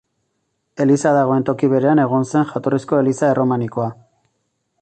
Eliza dagoen toki berean egon zen jatorrizko eliza erromanikoa.